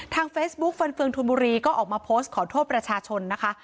เฟซบุ๊กฟันเฟืองธนบุรีก็ออกมาโพสต์ขอโทษประชาชนนะคะ